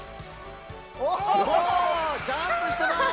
おジャンプしてます。